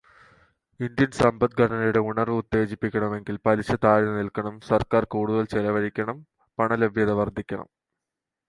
Indian സമ്പദ്ഘടനയുടെ ഉണർവ്വ് ഉത്തേജിപ്പിക്കണമെങ്കിൽ പലിശ താഴ്ന്നു നിൽക്കണം, സർക്കാർ കൂടുതൽ ചെലവഴിക്കണം, പണലഭ്യത വർദ്ധിക്കണം.